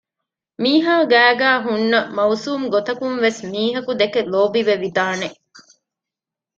މީހާ ގައިގައި ހުންނަ މައުސޫމުގޮތަކުންވެސް މީހަކު ދެކެ ލޯބިވެވިދާނެ